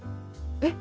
えっ？